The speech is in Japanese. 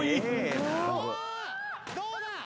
どうだ！？